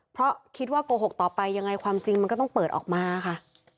เพราะคิดว่าโกหกต่อไปยังไงความจริงมันก็ต้องเปิดออกมาค่ะ